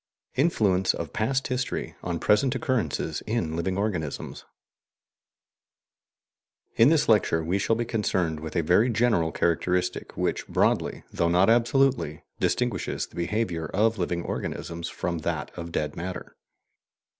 INFLUENCE OF PAST HISTORY ON PRESENT OCCURRENCES IN LIVING ORGANISMS In this lecture we shall be concerned with a very general characteristic which broadly, though not absolutely, distinguishes the behaviour of living organisms from that of dead matter.